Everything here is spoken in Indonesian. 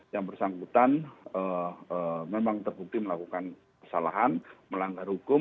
yang bersangkutan memang terbukti melakukan kesalahan melanggar hukum